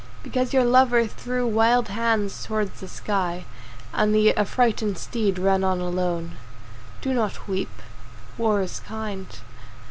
Because your lover threw wild hands toward the sky And the affrighted steed ran on alone, Do not weep. War is kind.